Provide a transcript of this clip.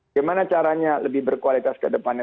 gimana caranya lebih berkualitas ke depannya